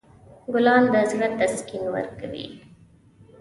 ګلان د زړه تسکین ورکوي.